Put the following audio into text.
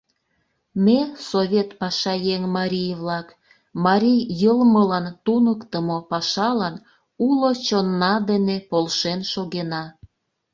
Ме, совет пашаеҥ марий-влак, марий йылмылан туныктымо пашалан уло чонна дене полшен шогена.